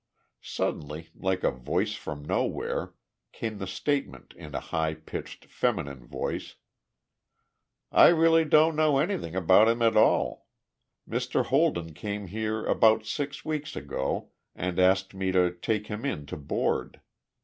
Suddenly, like a voice from nowhere, came the statement in a high pitched feminine voice: "I really don't know anything about him at all. Mr. Holden came here about six weeks ago and asked me to take him in to board.